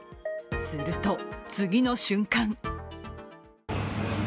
すると次の瞬間